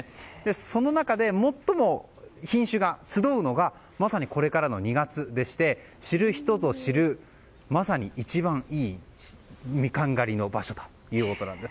その中で最も品種が集うのがまさに、これからの２月でして知る人ぞ知る、まさに一番いいミカン狩りの場所ということなんです。